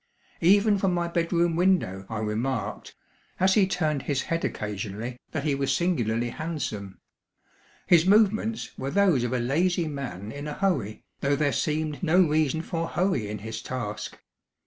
Even from my bed room window I remarked, as he turned his head occasionally, that he was singularly handsome. His movements were those of a lazy man in a hurry, though there seemed no reason for hurry in his task.